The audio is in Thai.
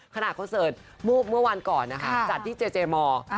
ขนาดเค้าเสิร์ชเมื่อวานก่อนจัดที่เจเจมอร์